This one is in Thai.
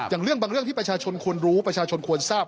อย่างเรื่องบางเรื่องที่ประชาชนควรรู้ประชาชนควรทราบ